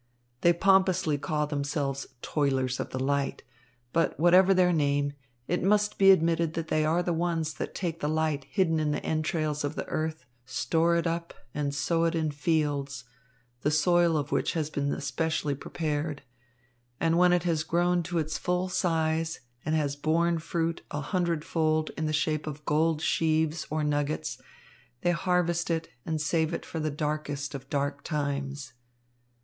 They pompously call themselves Toilers of the Light. But whatever their name, it must be admitted that they are the ones that take the light hidden in the entrails of the earth, store it up, and sow it in fields, the soil of which has been especially prepared; and when it has grown to its full size and has borne fruit a hundredfold in the shape of gold sheaves or nuggets, they harvest it and save it for the darkest of dark times."